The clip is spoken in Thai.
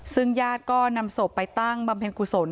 ซึ่งญาติก็นำศพไปตั้งบำเพ็ญกุศล